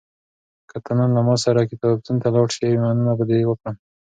که ته نن له ما سره کتابتون ته لاړ شې، مننه به دې وکړم.